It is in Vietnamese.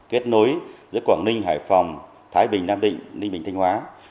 kết nối giữa quảng ninh hải phòng thái bình nam định ninh bình thanh hóa